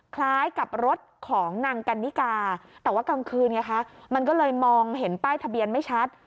คล้ายกับรถของนางกันนิกาแต่ว่ากลางคืนไงคะมันก็เลยมองเห็นป้ายทะเบียนไม่ชัด